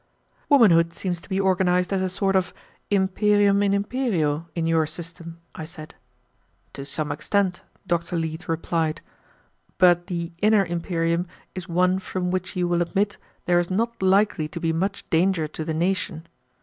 "Womanhood seems to be organized as a sort of imperium in imperio in your system," I said. "To some extent," Dr. Leete replied; "but the inner imperium is one from which you will admit there is not likely to be much danger to the nation.